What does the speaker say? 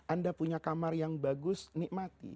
anda punya kamar yang bagus nikmati